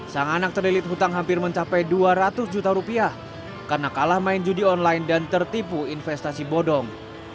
sang anak terlilit hutang hampir mencapai dua ratus juta rupiah karena kalah main judi online dan tertipu investasi bodong